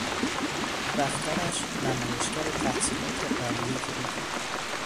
رفتارش نمایشگر تحصیلات عالیهی او بود.